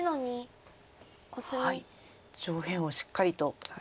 上辺をしっかりと。